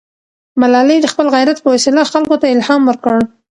ملالۍ د خپل غیرت په وسیله خلکو ته الهام ورکړ.